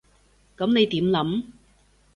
噉你點諗？